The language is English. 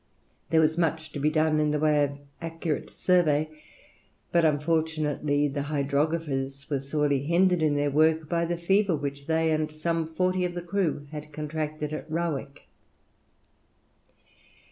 There was much to be done in the way of accurate survey, but unfortunately the hydrographers were sorely hindered in their work by the fever which they and some forty of the crew had contracted at Rawak.